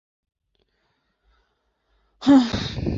蔡突灵在南昌鸭子塘秘密设立中国同盟会支部。